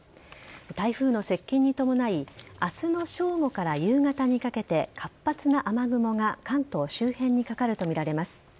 台風の接近に伴い明日の正午から夕方にかけて活発な雨雲が関東周辺にかかるとみられます。